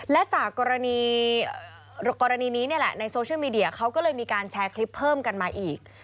และจากกรณีนี้เนี่ยแหละในโซเชียลมีเดียเขาก็เลยมีการแชร์คลิปเพิ่มกันมาอีก